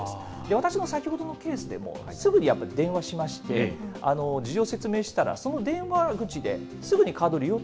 私の先ほどのケースでもすぐにやっぱり電話しまして、事情を説明したら、その電話口ですぐにカー